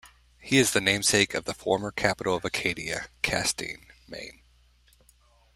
He is the namesake of the former capital of Acadia, Castine, Maine.